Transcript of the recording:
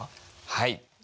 はい。